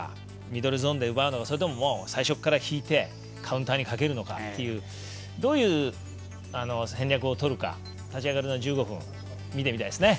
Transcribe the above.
ミドルゾーンで奪うのかそれとも最初から引いてカウンターにかけるのかっていうどういう戦略をとるか立ち上がりの１５分見てみたいですね。